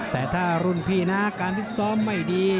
แต่ถ้ารุ่นพี่นะการฟิตซ้อมไม่ดี